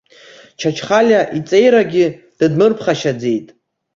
Чачхалиа иҵеирагьы дыдмырԥхашьаӡеит.